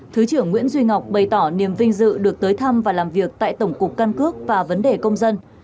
thứ trưởng nguyễn duy ngọc bày tỏ niềm vinh dự được tới thăm và làm việc tại tổng cục căn cước và vấn đề công dân